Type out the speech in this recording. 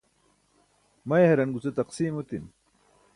may haraṅ guce taqsiim otin